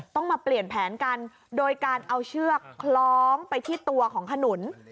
ต้องมาเปลี่ยนแผนกันโดยการเอาเชือกคล้องไปที่ตัวของขนุน